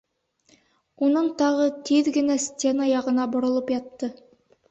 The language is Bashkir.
Унан тағы тиҙ генә стена яғына боролоп ятты.